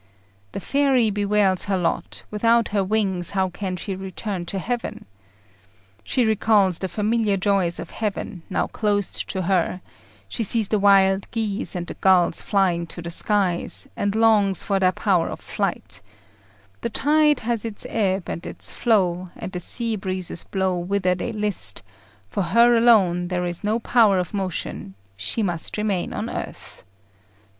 The fairy bewails her lot; without her wings how can she return to heaven? She recalls the familiar joys of heaven, now closed to her; she sees the wild geese and the gulls flying to the skies, and longs for their power of flight; the tide has its ebb and its flow, and the sea breezes blow whither they list: for her alone there is no power of motion, she must remain on earth.